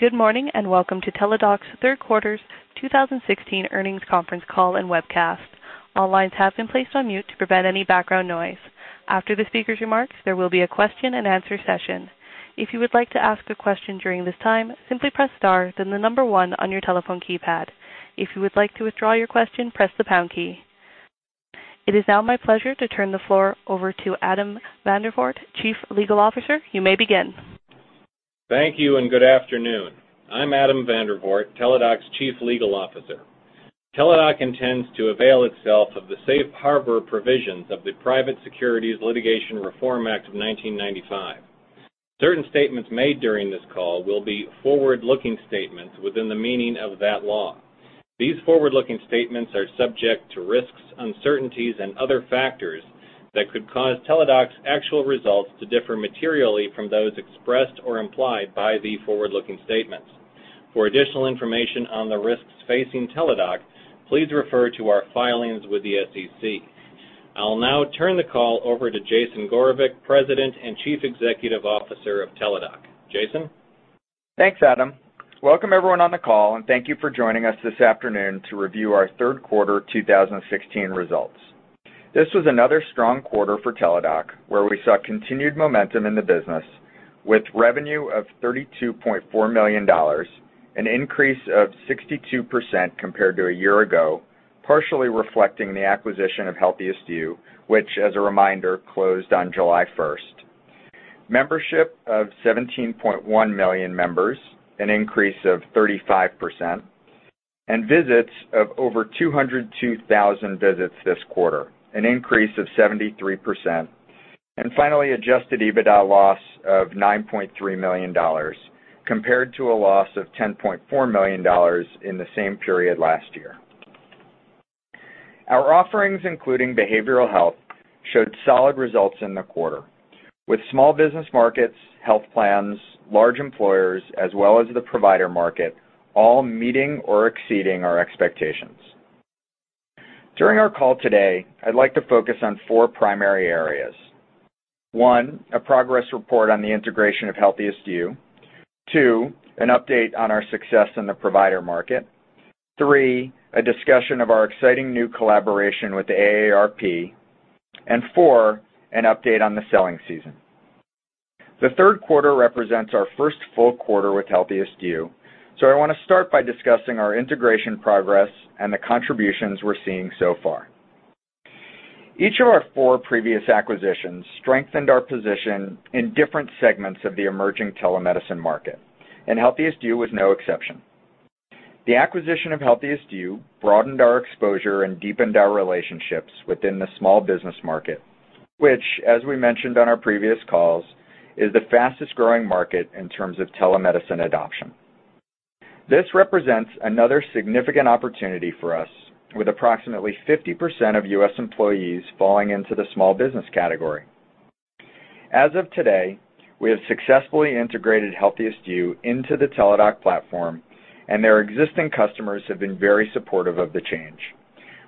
Good morning, welcome to Teladoc's third quarter 2016 earnings conference call and webcast. All lines have been placed on mute to prevent any background noise. After the speaker's remarks, there will be a question-and-answer session. If you would like to ask a question during this time, simply press star, then the number one on your telephone keypad. If you would like to withdraw your question, press the pound key. It is now my pleasure to turn the floor over to Adam Vandervoort, Chief Legal Officer. You may begin. Thank you, good afternoon. I'm Adam Vandervoort, Teladoc's Chief Legal Officer. Teladoc intends to avail itself of the safe harbor provisions of the Private Securities Litigation Reform Act of 1995. Certain statements made during this call will be forward-looking statements within the meaning of that law. These forward-looking statements are subject to risks, uncertainties, and other factors that could cause Teladoc's actual results to differ materially from those expressed or implied by the forward-looking statements. For additional information on the risks facing Teladoc, please refer to our filings with the SEC. I'll now turn the call over to Jason Gorevic, President and Chief Executive Officer of Teladoc. Jason? Thanks, Adam. Welcome, everyone on the call, thank you for joining us this afternoon to review our third quarter 2016 results. This was another strong quarter for Teladoc, where we saw continued momentum in the business with revenue of $32.4 million, an increase of 62% compared to a year ago, partially reflecting the acquisition of HealthiestYou, which, as a reminder, closed on July 1st. Membership of 17.1 million members, an increase of 35%, and visits of over 202,000 visits this quarter, an increase of 73%. Finally, adjusted EBITDA loss of $9.3 million, compared to a loss of $10.4 million in the same period last year. Our offerings, including behavioral health, showed solid results in the quarter, with small business markets, health plans, large employers, as well as the provider market, all meeting or exceeding our expectations. During our call today, I'd like to focus on four primary areas. One, a progress report on the integration of HealthiestYou. Two, an update on our success in the provider market. Three, a discussion of our exciting new collaboration with the AARP. Four, an update on the selling season. The third quarter represents our first full quarter with HealthiestYou, I want to start by discussing our integration progress and the contributions we're seeing so far. Each of our four previous acquisitions strengthened our position in different segments of the emerging telemedicine market, and HealthiestYou was no exception. The acquisition of HealthiestYou broadened our exposure and deepened our relationships within the small business market, which, as we mentioned on our previous calls, is the fastest-growing market in terms of telemedicine adoption. This represents another significant opportunity for us with approximately 50% of U.S. employees falling into the small business category. As of today, we have successfully integrated HealthiestYou into the Teladoc platform, and their existing customers have been very supportive of the change,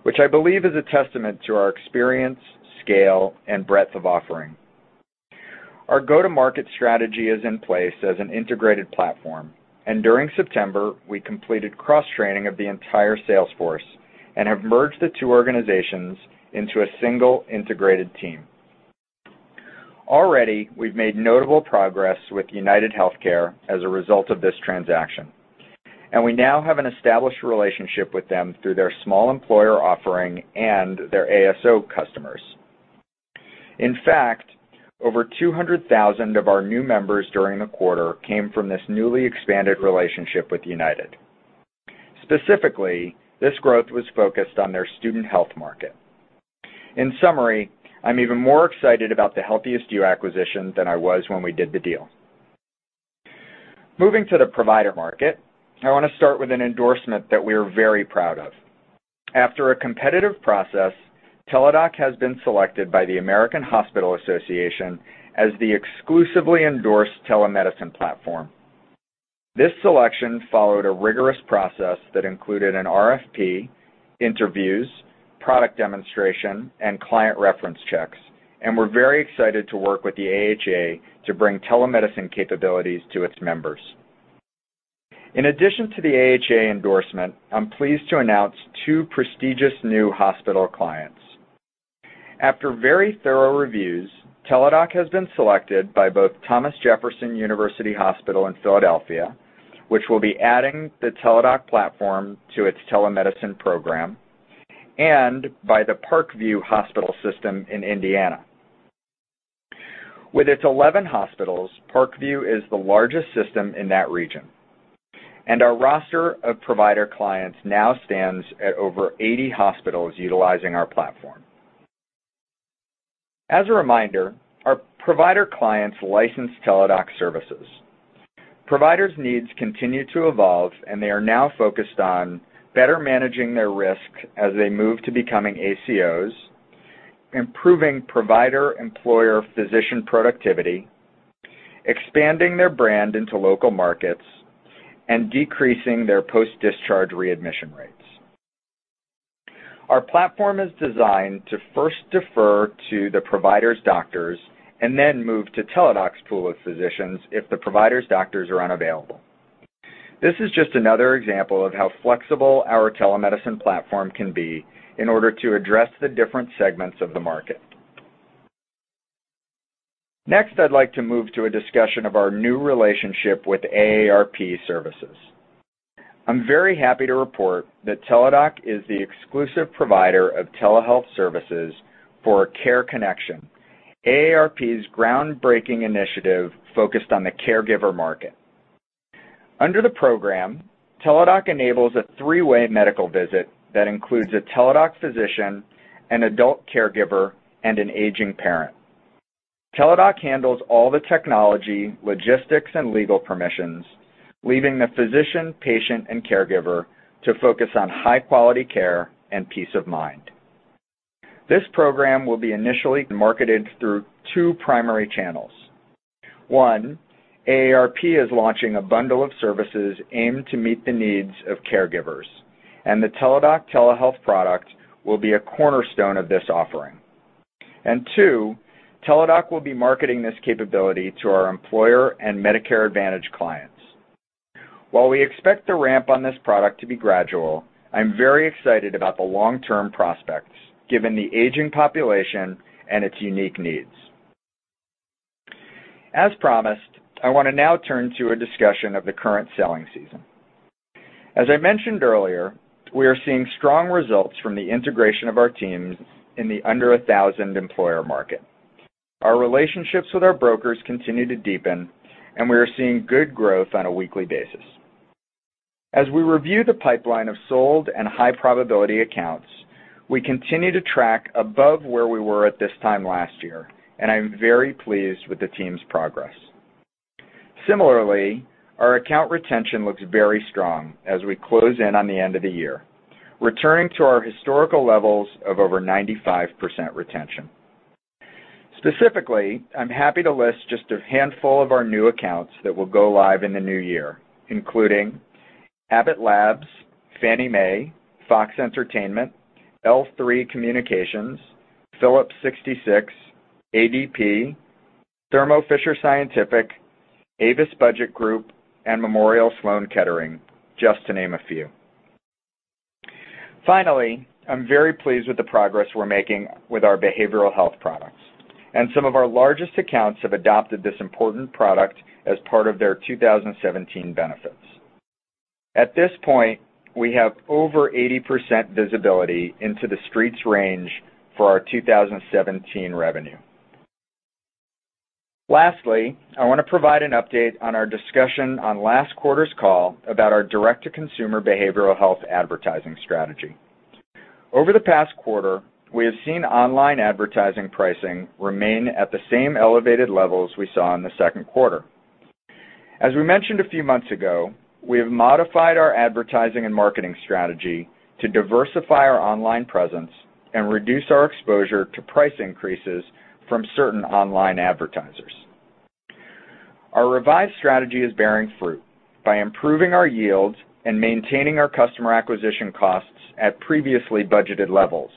which I believe is a testament to our experience, scale, and breadth of offering. Our go-to-market strategy is in place as an integrated platform, and during September, we completed cross-training of the entire sales force and have merged the two organizations into a single integrated team. Already, we've made notable progress with UnitedHealthcare as a result of this transaction, and we now have an established relationship with them through their small employer offering and their ASO customers. In fact, over 200,000 of our new members during the quarter came from this newly expanded relationship with United. Specifically, this growth was focused on their student health market. In summary, I'm even more excited about the HealthiestYou acquisition than I was when we did the deal. Moving to the provider market, I want to start with an endorsement that we are very proud of. After a competitive process, Teladoc has been selected by the American Hospital Association as the exclusively endorsed telemedicine platform. This selection followed a rigorous process that included an RFP, interviews, product demonstration, and client reference checks, and we're very excited to work with the AHA to bring telemedicine capabilities to its members. In addition to the AHA endorsement, I'm pleased to announce two prestigious new hospital clients. After very thorough reviews, Teladoc has been selected by both Thomas Jefferson University Hospital in Philadelphia, which will be adding the Teladoc platform to its telemedicine program, and by the Parkview Hospital system in Indiana. With its 11 hospitals, Parkview is the largest system in that region, and our roster of provider clients now stands at over 80 hospitals utilizing our platform. As a reminder, our provider clients license Teladoc services. Providers' needs continue to evolve, and they are now focused on better managing their risks as they move to becoming ACOs, improving provider employer physician productivity, expanding their brand into local markets, and decreasing their post-discharge readmission rates. Our platform is designed to first defer to the provider's doctors and then move to Teladoc's pool of physicians if the provider's doctors are unavailable. This is just another example of how flexible our telemedicine platform can be in order to address the different segments of the market. Next, I'd like to move to a discussion of our new relationship with AARP Services. I'm very happy to report that Teladoc is the exclusive provider of telehealth services for CareConnection, AARP's groundbreaking initiative focused on the caregiver market. Under the program, Teladoc enables a three-way medical visit that includes a Teladoc physician, an adult caregiver, and an aging parent. Teladoc handles all the technology, logistics, and legal permissions, leaving the physician, patient, and caregiver to focus on high-quality care and peace of mind. This program will be initially marketed through two primary channels. One, AARP is launching a bundle of services aimed to meet the needs of caregivers, and the Teladoc telehealth product will be a cornerstone of this offering. Two, Teladoc will be marketing this capability to our employer and Medicare Advantage clients. While we expect the ramp on this product to be gradual, I'm very excited about the long-term prospects given the aging population and its unique needs. As promised, I want to now turn to a discussion of the current selling season. As I mentioned earlier, we are seeing strong results from the integration of our teams in the under 1,000 employer market. Our relationships with our brokers continue to deepen, and we are seeing good growth on a weekly basis. As we review the pipeline of sold and high-probability accounts, we continue to track above where we were at this time last year, and I am very pleased with the team's progress. Similarly, our account retention looks very strong as we close in on the end of the year, returning to our historical levels of over 95% retention. Specifically, I'm happy to list just a handful of our new accounts that will go live in the new year, including Abbott Labs, Fannie Mae, Fox Entertainment, L-3 Communications, Phillips 66, ADP, Thermo Fisher Scientific, Avis Budget Group, and Memorial Sloan Kettering, just to name a few. Finally, I'm very pleased with the progress we're making with our behavioral health products. Some of our largest accounts have adopted this important product as part of their 2017 benefits. At this point, we have over 80% visibility into the streets range for our 2017 revenue. Lastly, I want to provide an update on our discussion on last quarter's call about our direct-to-consumer behavioral health advertising strategy. Over the past quarter, we have seen online advertising pricing remain at the same elevated levels we saw in the second quarter. As we mentioned a few months ago, we have modified our advertising and marketing strategy to diversify our online presence and reduce our exposure to price increases from certain online advertisers. Our revised strategy is bearing fruit by improving our yields and maintaining our customer acquisition costs at previously budgeted levels.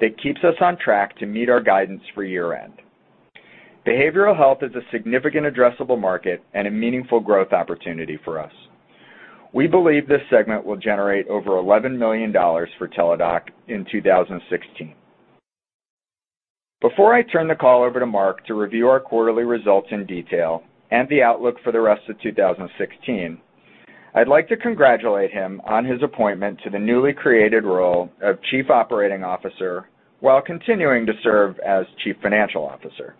It keeps us on track to meet our guidance for year-end. Behavioral health is a significant addressable market and a meaningful growth opportunity for us. We believe this segment will generate over $11 million for Teladoc in 2016. Before I turn the call over to Mark to review our quarterly results in detail and the outlook for the rest of 2016, I'd like to congratulate him on his appointment to the newly created role of Chief Operating Officer while continuing to serve as Chief Financial Officer.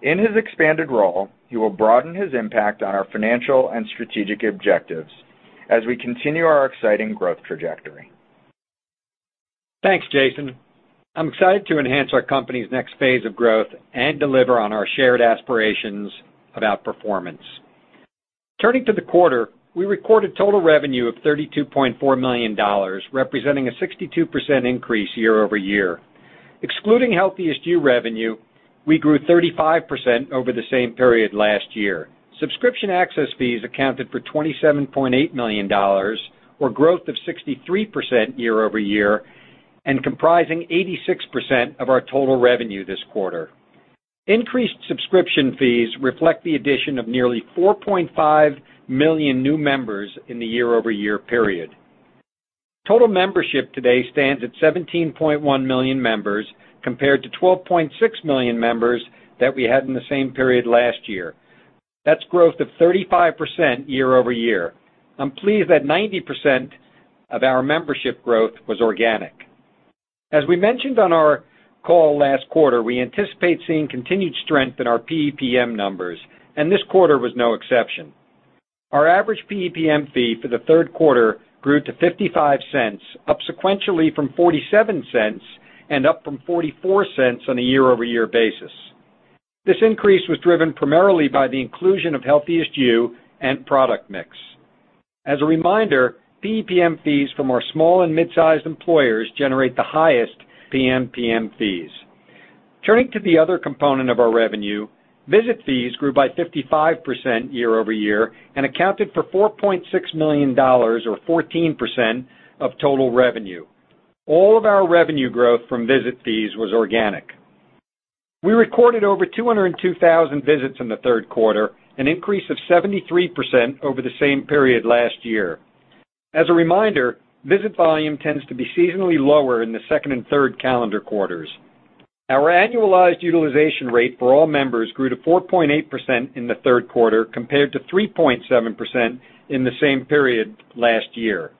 In his expanded role, he will broaden his impact on our financial and strategic objectives as we continue our exciting growth trajectory. Thanks, Jason. I'm excited to enhance our company's next phase of growth and deliver on our shared aspirations about performance. Turning to the quarter, we recorded total revenue of $32.4 million, representing a 62% increase year-over-year. Excluding HealthiestYou revenue, we grew 35% over the same period last year. Subscription access fees accounted for $27.8 million, or growth of 63% year-over-year, and comprising 86% of our total revenue this quarter. Increased subscription fees reflect the addition of nearly 4.5 million new members in the year-over-year period. Total membership today stands at 17.1 million members, compared to 12.6 million members that we had in the same period last year. That's growth of 35% year-over-year. I'm pleased that 90% of our membership growth was organic. As we mentioned on our call last quarter, we anticipate seeing continued strength in our PEPM numbers, and this quarter was no exception. Our average PEPM fee for the third quarter grew to $0.55, up sequentially from $0.47 and up from $0.44 on a year-over-year basis. This increase was driven primarily by the inclusion of HealthiestYou and product mix. As a reminder, PEPM fees from our small and mid-sized employers generate the highest PEPM fees. Turning to the other component of our revenue, visit fees grew by 55% year-over-year and accounted for $4.6 million or 14% of total revenue. All of our revenue growth from visit fees was organic. We recorded over 202,000 visits in the third quarter, an increase of 73% over the same period last year. As a reminder, visit volume tends to be seasonally lower in the second and third calendar quarters. Our annualized utilization rate for all members grew to 4.8% in the third quarter compared to 3.7% in the same period last year.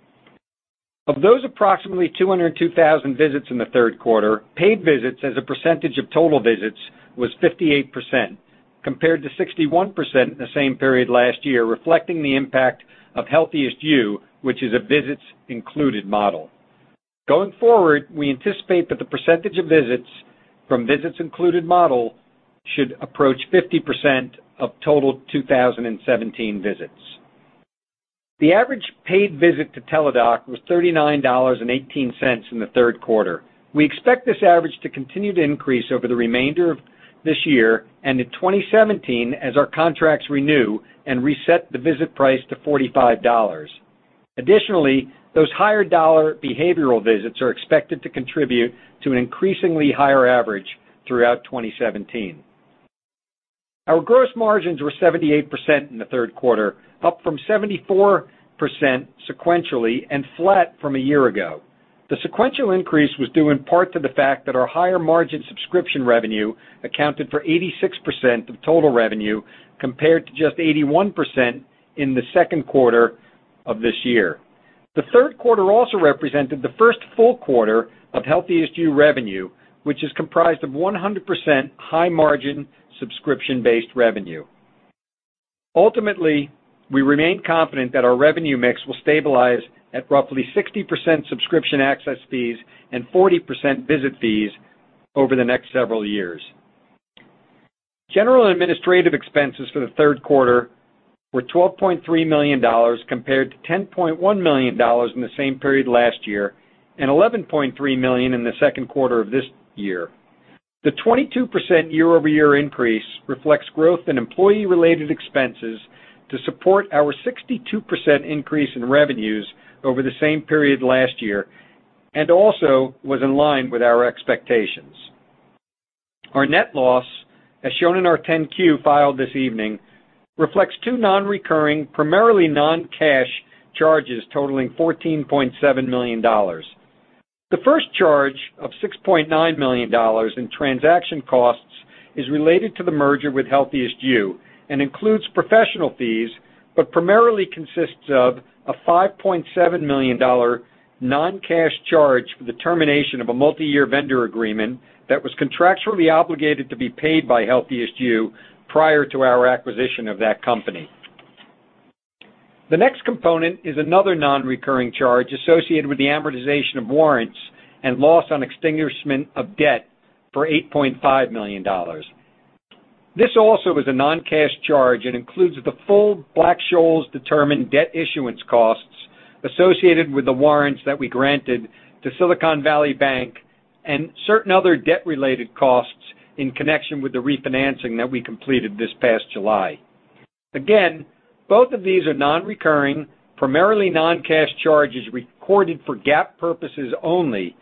Of those approximately 202,000 visits in the third quarter, paid visits as a percentage of total visits was 58%, compared to 61% in the same period last year, reflecting the impact of HealthiestYou, which is a visits included model. Going forward, we anticipate that the percentage of visits from visits included model should approach 50% of total 2017 visits. The average paid visit to Teladoc was $39.18 in the third quarter. We expect this average to continue to increase over the remainder of this year and in 2017 as our contracts renew and reset the visit price to $45. Additionally, those higher dollar behavioral visits are expected to contribute to an increasingly higher average throughout 2017. Our gross margins were 78% in the third quarter, up from 74% sequentially and flat from a year ago. The sequential increase was due in part to the fact that our higher margin subscription revenue accounted for 86% of total revenue, compared to just 81% in the second quarter of this year. The third quarter also represented the first full quarter of HealthiestYou revenue, which is comprised of 100% high margin subscription-based revenue. Ultimately, we remain confident that our revenue mix will stabilize at roughly 60% subscription access fees and 40% visit fees over the next several years. General administrative expenses for the third quarter were $12.3 million compared to $10.1 million in the same period last year and $11.3 million in the second quarter of this year. The 22% year-over-year increase reflects growth in employee related expenses to support our 62% increase in revenues over the same period last year and also was in line with our expectations. Our net loss, as shown in our 10-Q filed this evening, reflects two non-recurring, primarily non-cash charges totaling $14.7 million. The first charge of $6.9 million in transaction costs is related to the merger with HealthiestYou and includes professional fees, but primarily consists of a $5.7 million non-cash charge for the termination of a multi-year vendor agreement that was contractually obligated to be paid by HealthiestYou prior to our acquisition of that company. The next component is another non-recurring charge associated with the amortization of warrants and loss on extinguishment of debt for $8.5 million. This also was a non-cash charge and includes the full Black-Scholes determined debt issuance costs associated with the warrants that we granted to Silicon Valley Bank and certain other debt related costs in connection with the refinancing that we completed this past July. Both of these are non-recurring, primarily non-cash charges recorded for GAAP purposes only,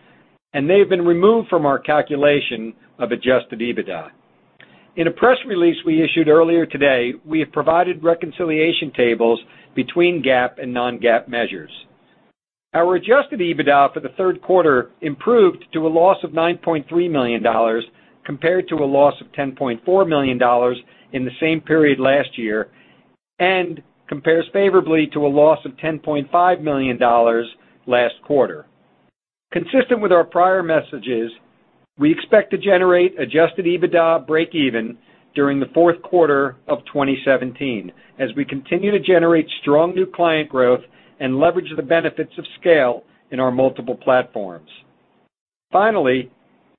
and they have been removed from our calculation of adjusted EBITDA. In a press release we issued earlier today, we have provided reconciliation tables between GAAP and non-GAAP measures. Our adjusted EBITDA for the third quarter improved to a loss of $9.3 million compared to a loss of $10.4 million in the same period last year and compares favorably to a loss of $10.5 million last quarter. Consistent with our prior messages, we expect to generate adjusted EBITDA breakeven during the fourth quarter of 2017 as we continue to generate strong new client growth and leverage the benefits of scale in our multiple platforms. Finally,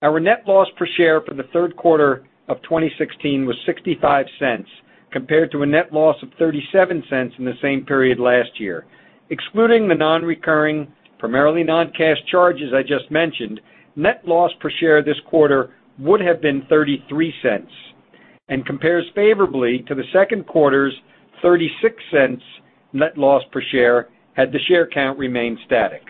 our net loss per share for the third quarter of 2016 was $0.65 compared to a net loss of $0.37 in the same period last year. Excluding the non-recurring, primarily non-cash charges I just mentioned, net loss per share this quarter would have been $0.33 and compares favorably to the second quarter's $0.36 net loss per share had the share count remained static.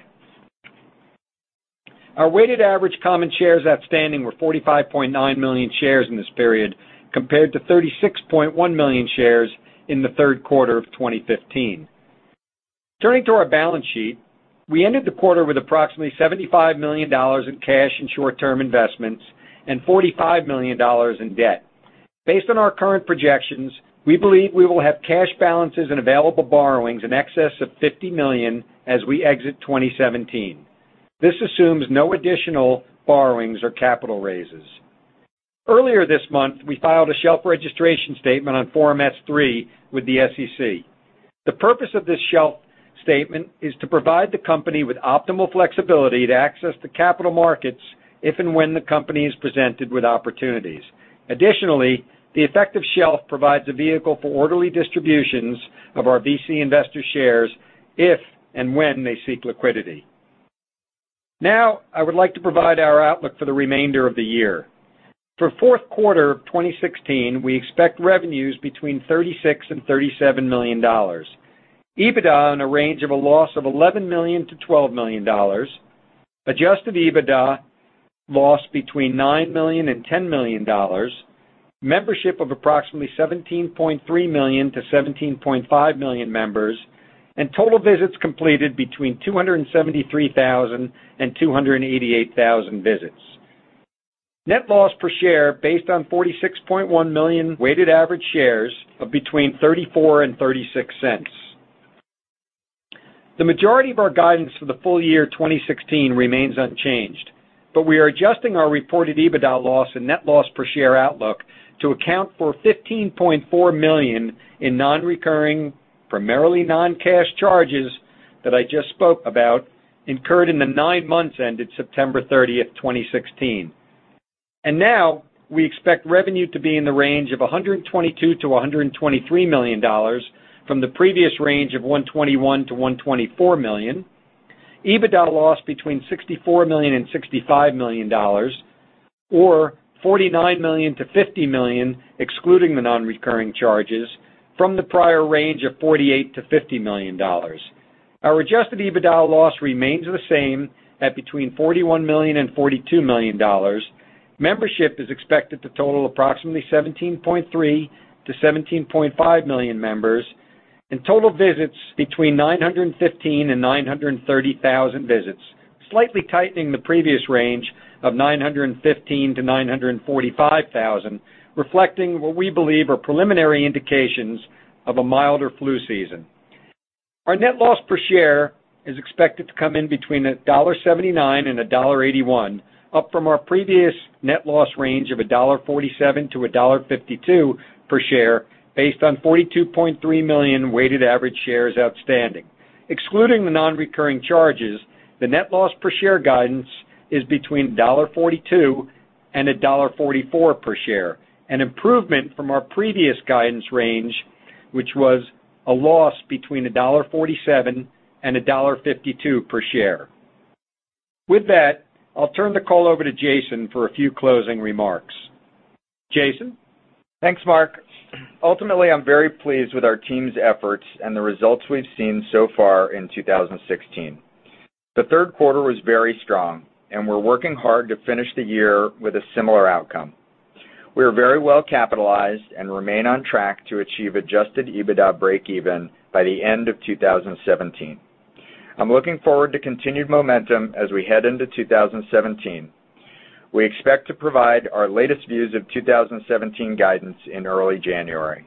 Our weighted average common shares outstanding were 45.9 million shares in this period compared to 36.1 million shares in the third quarter of 2015. Turning to our balance sheet, we ended the quarter with approximately $75 million in cash and short-term investments and $45 million in debt. Based on our current projections, we believe we will have cash balances and available borrowings in excess of $50 million as we exit 2017. This assumes no additional borrowings or capital raises. Earlier this month, we filed a shelf registration statement on Form S-3 with the SEC. The purpose of this shelf statement is to provide the company with optimal flexibility to access the capital markets if and when the company is presented with opportunities. Additionally, the effective shelf provides a vehicle for orderly distributions of our VC investor shares if and when they seek liquidity. I would like to provide our outlook for the remainder of the year. For fourth quarter of 2016, we expect revenues between $36 million and $37 million. EBITDA in a range of a loss of $11 million to $12 million. Adjusted EBITDA, loss between $9 million and $10 million. Membership of approximately 17.3 million to 17.5 million members, and total visits completed between 273,000 and 288,000 visits. Net loss per share based on 46.1 million weighted average shares of between $0.34 and $0.36. The majority of our guidance for the full year 2016 remains unchanged, but we are adjusting our reported EBITDA loss and net loss per share outlook to account for $15.4 million in non-recurring, primarily non-cash charges that I just spoke about, incurred in the nine months ended September 30th, 2016. We expect revenue to be in the range of $122 million to $123 million from the previous range of $121 million to $124 million. EBITDA loss between $64 million and $65 million, or $49 million to $50 million, excluding the non-recurring charges from the prior range of $48 to $50 million. Our adjusted EBITDA loss remains the same at between $41 million and $42 million. Membership is expected to total approximately 17.3 to 17.5 million members, and total visits between 915,000 and 930,000 visits, slightly tightening the previous range of 915,000 to 945,000, reflecting what we believe are preliminary indications of a milder flu season. Our net loss per share is expected to come in between $1.79 and $1.81, up from our previous net loss range of $1.47 to $1.52 per share based on 42.3 million weighted average shares outstanding. Excluding the non-recurring charges, the net loss per share guidance is between $1.42 and $1.44 per share, an improvement from our previous guidance range, which was a loss between $1.47 and $1.52 per share. With that, I'll turn the call over to Jason for a few closing remarks. Jason? Thanks, Mark. Ultimately, I'm very pleased with our team's efforts and the results we've seen so far in 2016. The third quarter was very strong, and we're working hard to finish the year with a similar outcome. We are very well capitalized and remain on track to achieve adjusted EBITDA breakeven by the end of 2017. I'm looking forward to continued momentum as we head into 2017. We expect to provide our latest views of 2017 guidance in early January.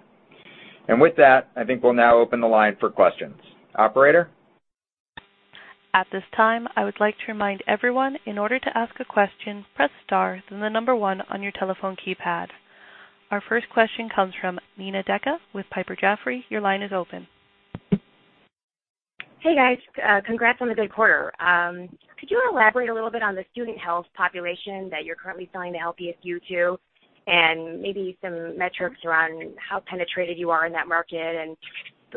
With that, I think we'll now open the line for questions. Operator? At this time, I would like to remind everyone, in order to ask a question, press star, then the number one on your telephone keypad. Our first question comes from Nina Deca with Piper Jaffray. Your line is open. Hey, guys. Congrats on the good quarter. Could you elaborate a little bit on the student health population that you're currently selling the HealthiestYou to, and maybe some metrics around how penetrated you are in that market, and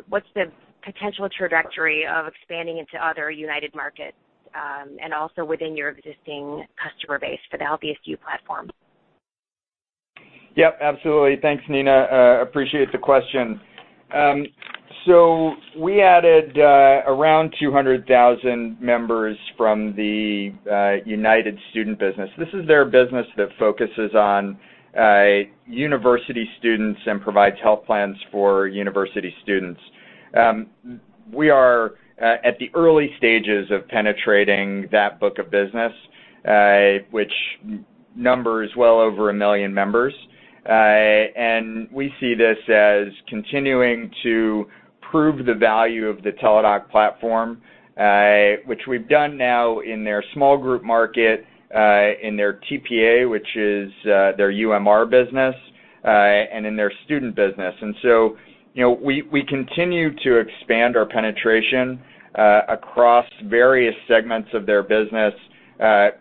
what's the potential trajectory of expanding into other United markets, and also within your existing customer base for the HealthiestYou platform? Yep, absolutely. Thanks, Nina. Appreciate the question. We added around 200,000 members from the United student business. This is their business that focuses on university students and provides health plans for university students. We are at the early stages of penetrating that book of business, which numbers well over 1 million members. We see this as continuing to prove the value of the Teladoc platform, which we've done now in their small group market, in their TPA, which is their UMR business, and in their student business. We continue to expand our penetration across various segments of their business,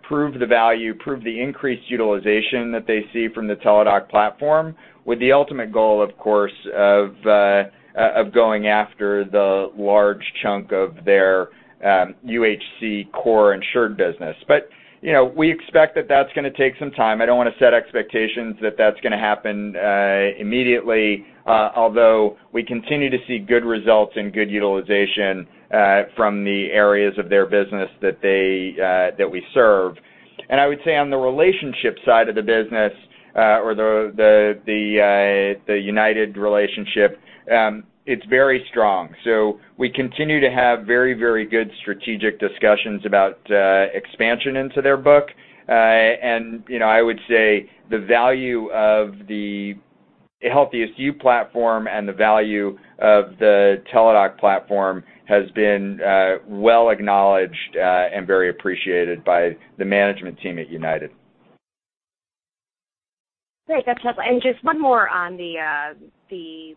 prove the value, prove the increased utilization that they see from the Teladoc platform, with the ultimate goal, of course, of going after the large chunk of their UHC core insured business. We expect that that's going to take some time. I don't want to set expectations that that's going to happen immediately, although I continue to see good results and good utilization from the areas of their business that we serve. I would say on the relationship side of the business, or the United relationship, it's very strong. We continue to have very good strategic discussions about expansion into their book. I would say the value of the HealthiestYou platform and the value of the Teladoc platform has been well acknowledged and very appreciated by the management team at United. Great. That's helpful. Just one more on the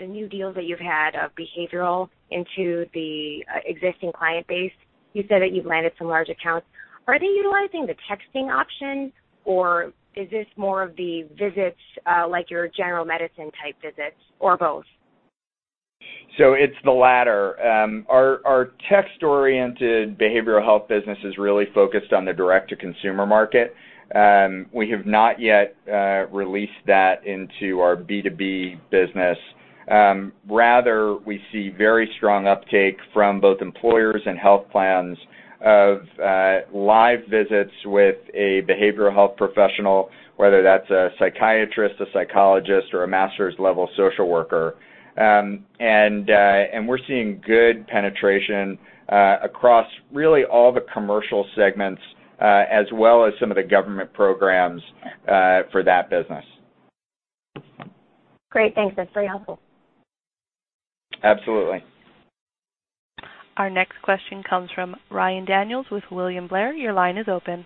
new deals that you've had of behavioral into the existing client base. You said that you've landed some large accounts. Are they utilizing the texting option, or is this more of the visits like your general medicine type visits, or both? It's the latter. Our text-oriented behavioral health business is really focused on the direct-to-consumer market. We have not yet released that into our B2B business. Rather, we see very strong uptake from both employers and health plans of live visits with a behavioral health professional, whether that's a psychiatrist, a psychologist, or a master's level social worker. We're seeing good penetration across really all the commercial segments, as well as some of the government programs for that business. Great. Thanks. That's very helpful. Absolutely. Our next question comes from Ryan Daniels with William Blair. Your line is open.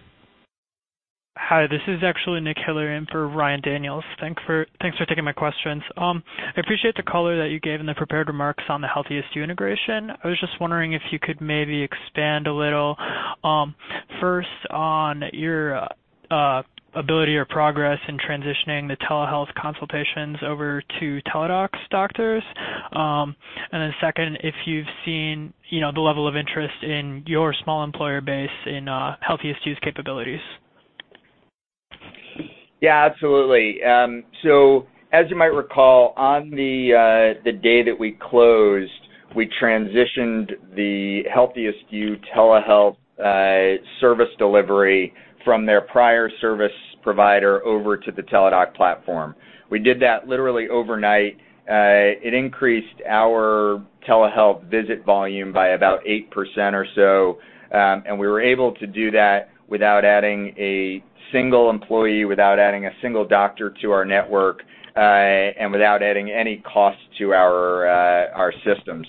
Hi. This is actually Nick Hiller in for Ryan Daniels. Thanks for taking my questions. I appreciate the color that you gave in the prepared remarks on the HealthiestYou integration. I was just wondering if you could maybe expand a little. First, on your ability or progress in transitioning the telehealth consultations over to Teladoc's doctors. Then second, if you've seen the level of interest in your small employer base in HealthiestYou's capabilities. Absolutely. As you might recall, on the day that we closed, we transitioned the HealthiestYou telehealth service delivery from their prior service provider over to the Teladoc platform. We did that literally overnight. It increased our telehealth visit volume by about 8% or so. We were able to do that without adding a single employee, without adding a single doctor to our network, and without adding any cost to our system.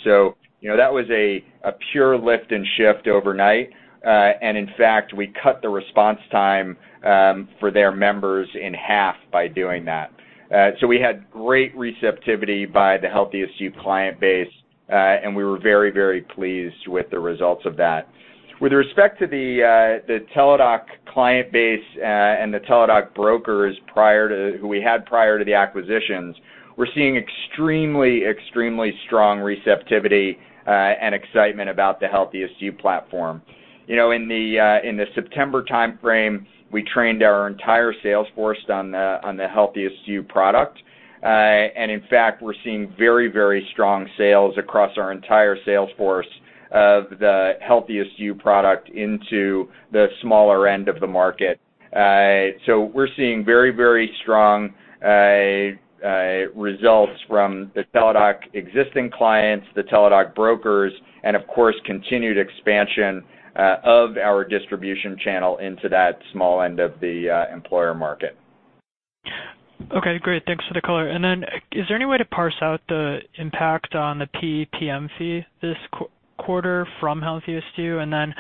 That was a pure lift and shift overnight. In fact, we cut the response time for their members in half by doing that. We had great receptivity by the HealthiestYou client base, and we were very pleased with the results of that. With respect to the Teladoc client base and the Teladoc brokers we had prior to the acquisitions, we are seeing extremely strong receptivity and excitement about the HealthiestYou platform. In the September timeframe, we trained our entire sales force on the HealthiestYou product. In fact, we are seeing very strong sales across our entire sales force of the HealthiestYou product into the smaller end of the market. We are seeing very strong results from the Teladoc existing clients, the Teladoc brokers, and of course, continued expansion of our distribution channel into that small end of the employer market. Great. Thanks for the color. Is there any way to parse out the impact on the PEPM fee this quarter from HealthiestYou?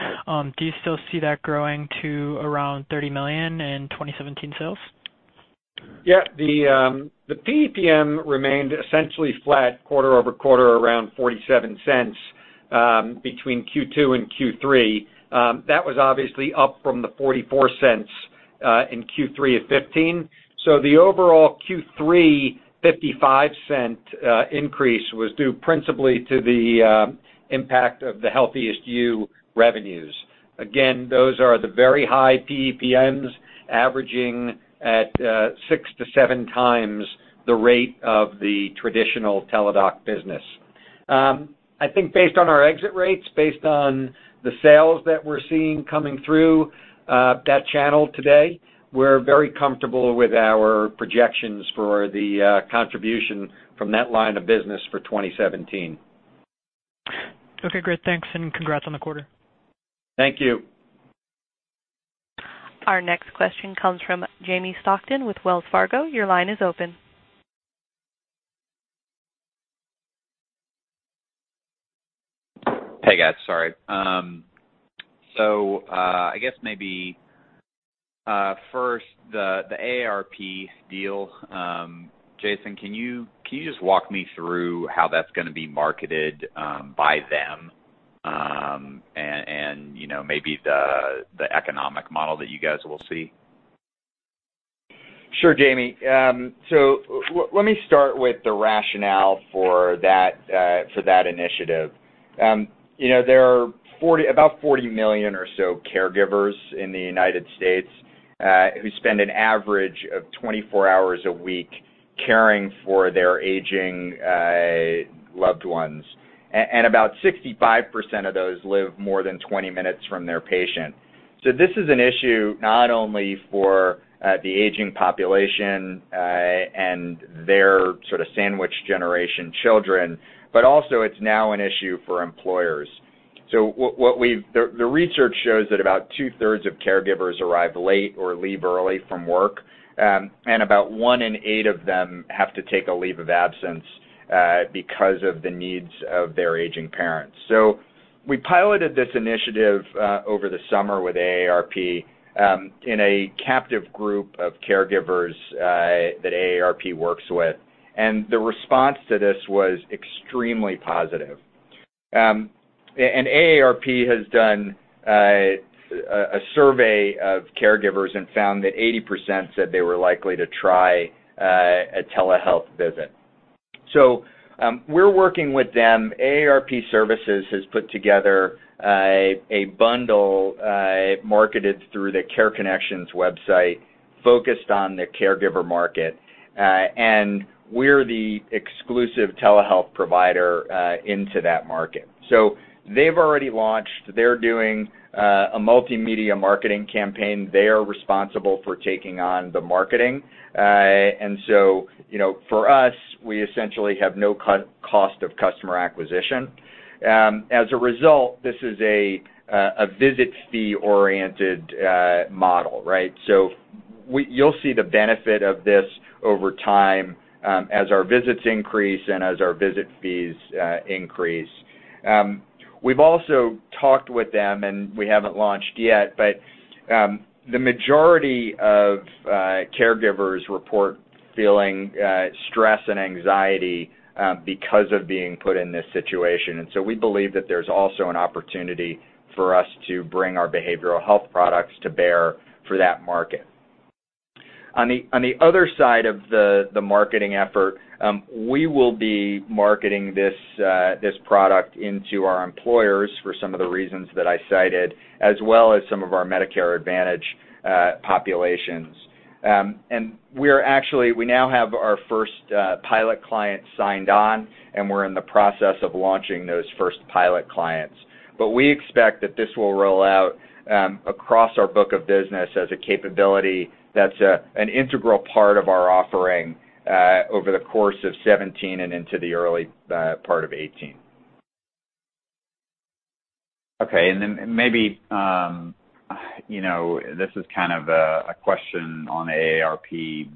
Do you still see that growing to around $30 million in 2017 sales? The PEPM remained essentially flat quarter-over-quarter, around $0.47 between Q2 and Q3. That was obviously up from the $0.44 in Q3 of 2015. The overall Q3 $0.55 increase was due principally to the impact of the HealthiestYou revenues. Again, those are the very high PEPMs, averaging at six to seven times the rate of the traditional Teladoc business. I think based on our exit rates, based on the sales that we are seeing coming through that channel today, we are very comfortable with our projections for the contribution from that line of business for 2017. Okay, great. Thanks. Congrats on the quarter. Thank you. Our next question comes from Jamie Stockton with Wells Fargo. Your line is open. Hey, guys. Sorry. I guess maybe first the AARP deal. Jason, can you just walk me through how that's going to be marketed by them, and maybe the economic model that you guys will see? Sure, Jamie. So let me start with the rationale for that initiative. There are about 40 million or so caregivers in the United States who spend an average of 24 hours a week caring for their aging loved ones. And about 65% of those live more than 20 minutes from their patient. So this is an issue not only for the aging population and their sort of sandwich generation children, but also it's now an issue for employers. The research shows that about two-thirds of caregivers arrive late or leave early from work, and about one in eight of them have to take a leave of absence because of the needs of their aging parents. So we piloted this initiative over the summer with AARP in a captive group of caregivers that AARP works with, and the response to this was extremely positive. AARP has done a survey of caregivers and found that 80% said they were likely to try a telehealth visit. So we're working with them. AARP Services has put together a bundle marketed through the CareConnection website focused on the caregiver market. And we're the exclusive telehealth provider into that market. They've already launched. They're doing a multimedia marketing campaign. They are responsible for taking on the marketing. So, for us, we essentially have no cost of customer acquisition. As a result, this is a visit fee-oriented model. So you'll see the benefit of this over time as our visits increase and as our visit fees increase. We've also talked with them, and we haven't launched yet, but the majority of caregivers report feeling stress and anxiety because of being put in this situation. We believe that there's also an opportunity for us to bring our behavioral health products to bear for that market. On the other side of the marketing effort, we will be marketing this product into our employers for some of the reasons that I cited, as well as some of our Medicare Advantage populations. And we now have our first pilot client signed on, and we're in the process of launching those first pilot clients. But we expect that this will roll out across our book of business as a capability that's an integral part of our offering over the course of 2017 and into the early part of 2018. This is kind of a question on AARP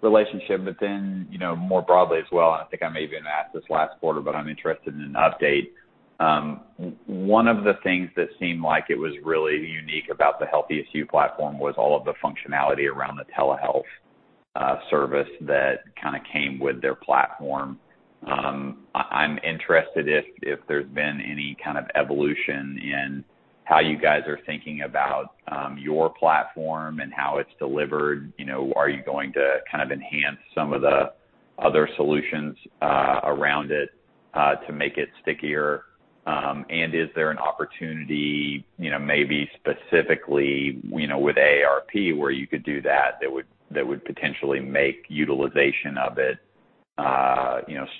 relationship, but then more broadly as well, and I think I maybe even asked this last quarter, but I'm interested in an update. One of the things that seemed like it was really unique about the HealthiestYou platform was all of the functionality around the telehealth service that kind of came with their platform. I'm interested if there's been any kind of evolution in how you guys are thinking about your platform and how it's delivered. Are you going to kind of enhance some of the other solutions around it to make it stickier? And is there an opportunity, maybe specifically, with AARP where you could do that would potentially make utilization of it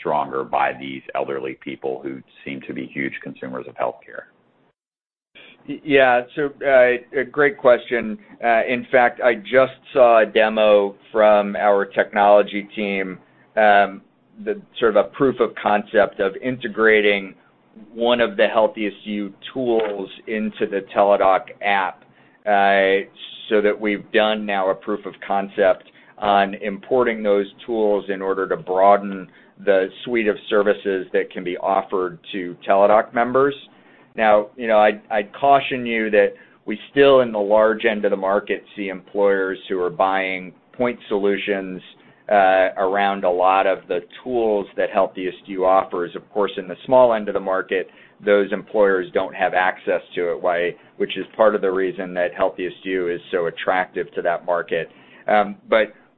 stronger by these elderly people who seem to be huge consumers of healthcare? Yeah. Great question. In fact, I just saw a demo from our technology team, sort of a proof of concept of integrating one of the HealthiestYou tools into the Teladoc app. That we've done now a proof of concept on importing those tools in order to broaden the suite of services that can be offered to Teladoc members. Now, I'd caution you that we still, in the large end of the market, see employers who are buying point solutions around a lot of the tools that HealthiestYou offers. Of course, in the small end of the market, those employers don't have access to it, which is part of the reason that HealthiestYou is so attractive to that market.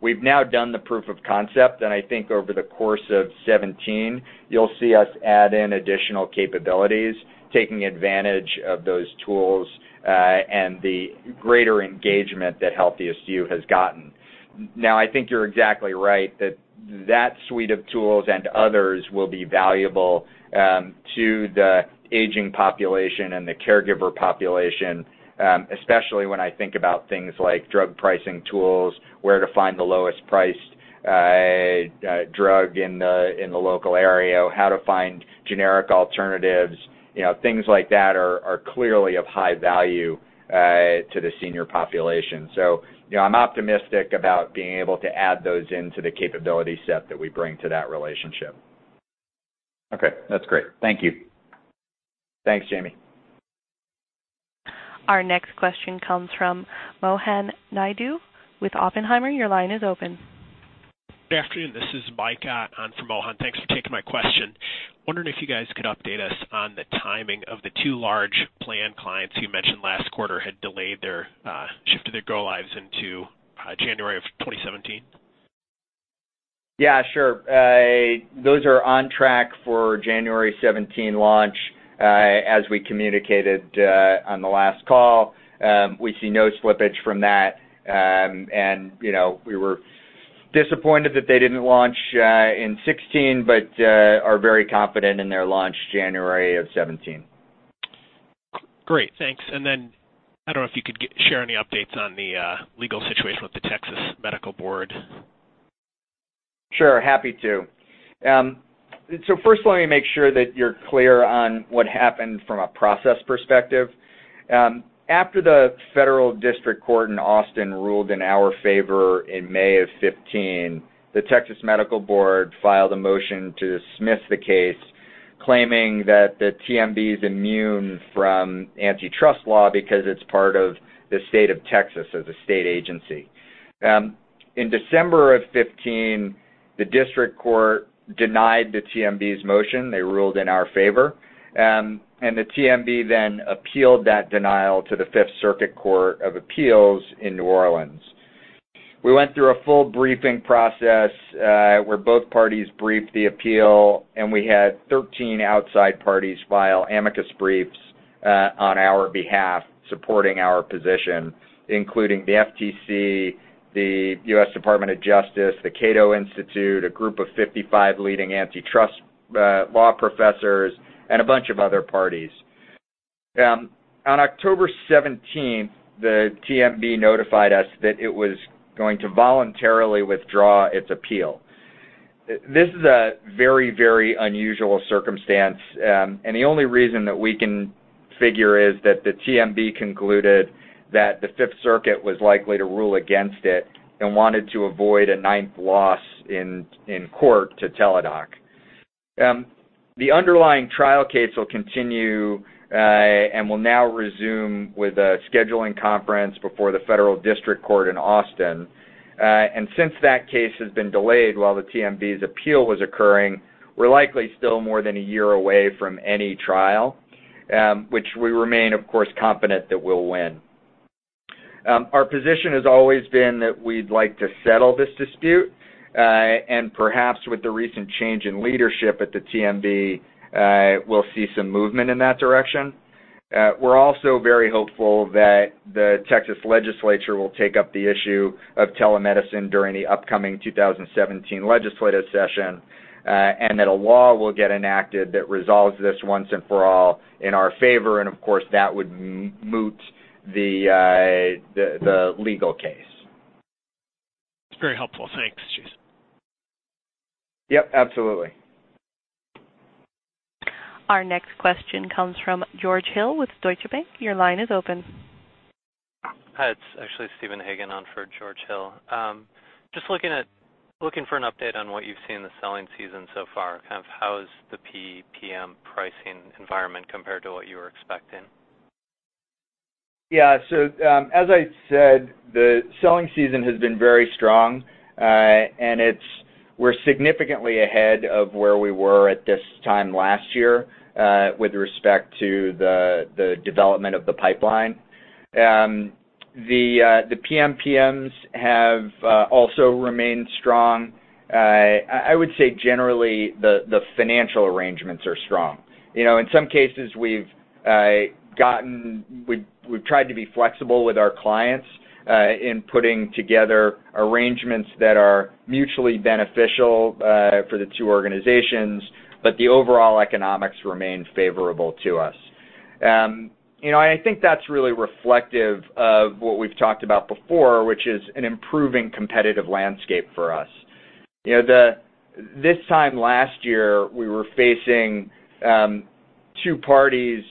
We've now done the proof of concept, and I think over the course of 2017, you'll see us add in additional capabilities, taking advantage of those tools, and the greater engagement that HealthiestYou has gotten. Now, I think you're exactly right that that suite of tools and others will be valuable to the aging population and the caregiver population, especially when I think about things like drug pricing tools, where to find the lowest priced drug in the local area, how to find generic alternatives. Things like that are clearly of high value to the senior population. I'm optimistic about being able to add those into the capability set that we bring to that relationship. Okay. That's great. Thank you. Thanks, Jamie. Our next question comes from Mohan Naidu with Oppenheimer. Your line is open. Good afternoon. This is Mike on for Mohan. Thanks for taking my question. Wondering if you guys could update us on the timing of the two large plan clients you mentioned last quarter shifted their go lives into January of 2017. Yeah, sure. Those are on track for January 2017 launch, as we communicated on the last call. We see no slippage from that. We were disappointed that they didn't launch in 2016, are very confident in their launch January of 2017. Great. Thanks. I don't know if you could share any updates on the legal situation with the Texas Medical Board. Sure, happy to. First let me make sure that you're clear on what happened from a process perspective. After the Federal District Court in Austin ruled in our favor in May of 2015, the Texas Medical Board filed a motion to dismiss the case, claiming that the TMB is immune from antitrust law because it's part of the State of Texas as a state agency. In December of 2015, the district court denied the TMB's motion. They ruled in our favor. The TMB then appealed that denial to the Fifth Circuit Court of Appeals in New Orleans. We went through a full briefing process, where both parties briefed the appeal. We had 13 outside parties file amicus briefs on our behalf supporting our position, including the FTC, the U.S. Department of Justice, the Cato Institute, a group of 55 leading antitrust law professors, and a bunch of other parties. On October 17th, the TMB notified us that it was going to voluntarily withdraw its appeal. This is a very, very unusual circumstance. The only reason that we can figure is that the TMB concluded that the Fifth Circuit was likely to rule against it and wanted to avoid a ninth loss in court to Teladoc. The underlying trial case will continue and will now resume with a scheduling conference before the Federal District Court in Austin. Since that case has been delayed while the TMB's appeal was occurring, we're likely still more than a year away from any trial, which we remain, of course, confident that we'll win. Our position has always been that we'd like to settle this dispute. Perhaps with the recent change in leadership at the TMB, we'll see some movement in that direction. We're also very hopeful that the Texas legislature will take up the issue of telemedicine during the upcoming 2017 legislative session, and that a law will get enacted that resolves this once and for all in our favor. Of course, that would moot the legal case. That's very helpful. Thanks, Jason. Yep, absolutely. Our next question comes from George Hill with Deutsche Bank. Your line is open. Hi, it's actually Steven Hagen on for George Hill. Just looking for an update on what you've seen this selling season so far. How's the PEPM pricing environment compared to what you were expecting? Yeah. As I said, the selling season has been very strong. We're significantly ahead of where we were at this time last year with respect to the development of the pipeline. The PMPMs have also remained strong. I would say generally, the financial arrangements are strong. In some cases, we've tried to be flexible with our clients in putting together arrangements that are mutually beneficial for the two organizations, but the overall economics remain favorable to us. I think that's really reflective of what we've talked about before, which is an improving competitive landscape for us. This time last year, we were facing two parties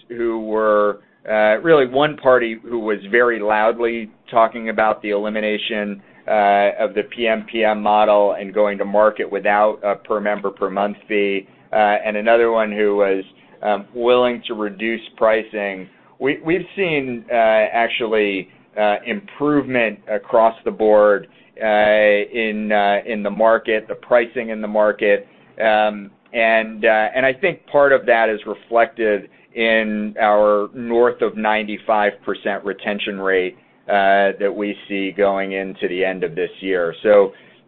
really one party who was very loudly talking about the elimination of the PMPM model and going to market without a per member per month fee, and another one who was willing to reduce pricing. We've seen, actually, improvement across the board in the market, the pricing in the market. I think part of that is reflected in our north of 95% retention rate that we see going into the end of this year.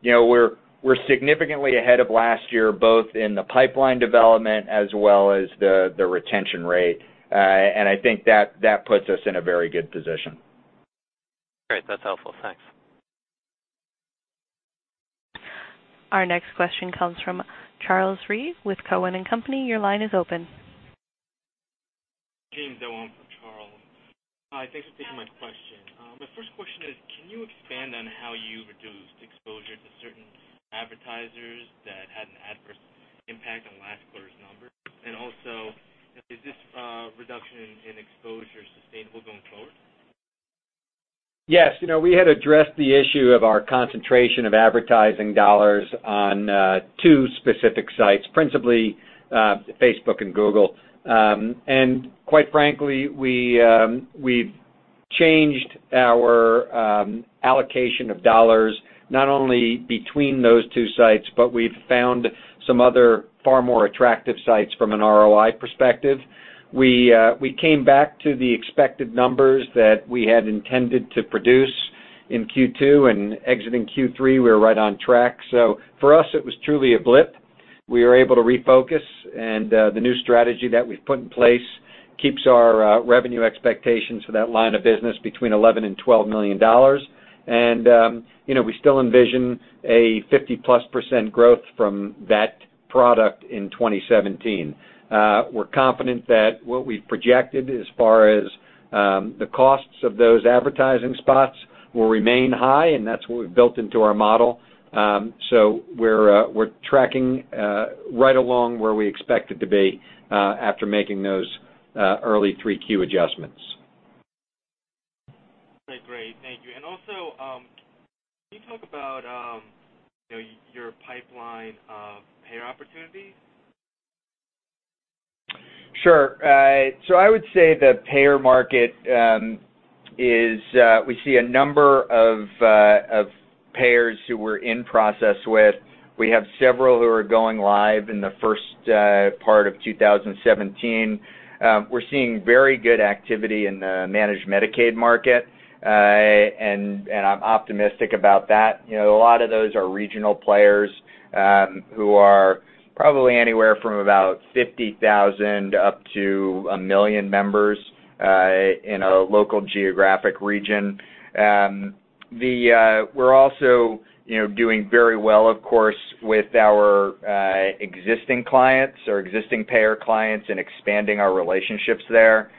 We're significantly ahead of last year, both in the pipeline development as well as the retention rate. I think that puts us in a very good position. Great. That's helpful. Thanks. Our next question comes from Charles Rhyee with Cowen and Company. Your line is open. James Owen for Charles. Hi. Thanks for taking my question. My first question is, can you expand on how you reduced exposure to certain advertisers that had an adverse impact on last quarter's numbers? Also, is this reduction in exposure sustainable going forward? Yes. We had addressed the issue of our concentration of advertising dollars on two specific sites, principally Facebook and Google. Quite frankly, we've changed our allocation of dollars, not only between those two sites, but we've found some other far more attractive sites from an ROI perspective. We came back to the expected numbers that we had intended to produce in Q2, and exiting Q3, we were right on track. For us, it was truly a blip. We were able to refocus, the new strategy that we've put in place keeps our revenue expectations for that line of business between $11 million and $12 million. We still envision a 50%+ growth from that product in 2017. We're confident that what we've projected as far as the costs of those advertising spots will remain high, and that's what we've built into our model. We're tracking right along where we expected to be after making those early 3Q adjustments. Great. Thank you. Also, can you talk about your pipeline of payer opportunities? Sure. I would say the payer market, we see a number of payers who we're in process with. We have several who are going live in the first part of 2017. We're seeing very good activity in the managed Medicaid market, and I'm optimistic about that. A lot of those are regional players, who are probably anywhere from about 50,000 up to 1 million members in a local geographic region. We're also doing very well, of course, with our existing clients, our existing payer clients, and expanding our relationships there.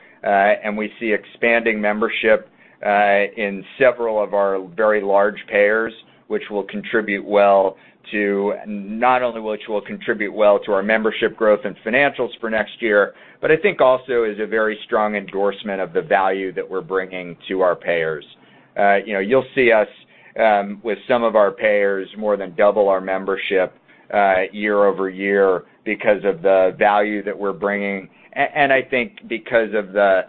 We see expanding membership in several of our very large payers, not only which will contribute well to our membership growth and financials for next year, but I think also is a very strong endorsement of the value that we're bringing to our payers. You'll see us with some of our payers more than double our membership year-over-year because of the value that we're bringing. I think because of the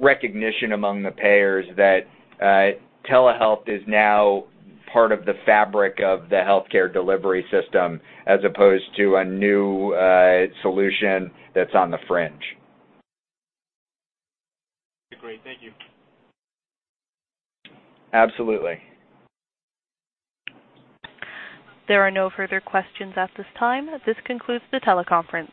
recognition among the payers that telehealth is now part of the fabric of the healthcare delivery system as opposed to a new solution that's on the fringe. Great. Thank you. Absolutely. There are no further questions at this time. This concludes the teleconference.